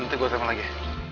nanti gue teman lagi